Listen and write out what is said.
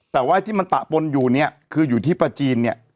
แต่ว่าที่มันปะปนอยู่เนี่ยคืออยู่ที่ประจีนเนี่ย